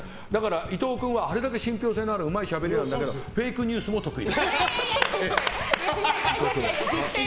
伊藤君は信ぴょう性のあるしゃべりだけどフェイクニュースも得意。